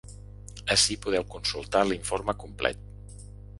Ací podeu consultar l’informe complet.